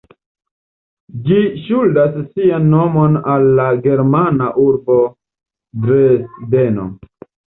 Ĝi ŝuldas sian nomon al la germana urbo Dresdeno.